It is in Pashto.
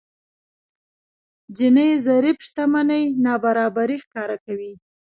جيني ضريب شتمنۍ نابرابري ښکاره کوي.